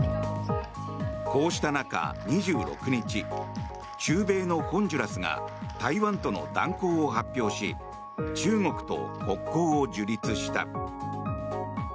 こうした中、２６日中米のホンジュラスが台湾との断交を発表し中国と国交を樹立した。